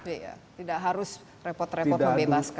tidak harus repot repot membebaskan